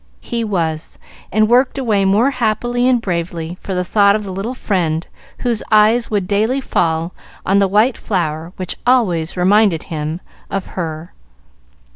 He was, and worked away more happily and bravely for the thought of the little friend whose eyes would daily fall on the white flower which always reminded him of her.